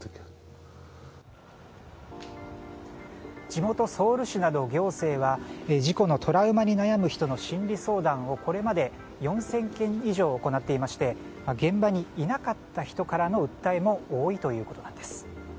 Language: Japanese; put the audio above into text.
地元ソウル市など行政は事故のトラウマに悩む人の心理相談をこれまで４０００件以上行っていて現場にいなかった人からの訴えも多いということなんです。